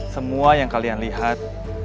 semua yang kalian lihat